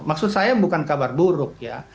maksud saya bukan kabar buruk ya